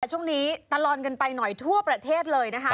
ช่วงนี้ตลอดกันไปหน่อยทั่วประเทศเลยนะคะ